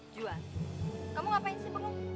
juhan kamu ngapain sih belum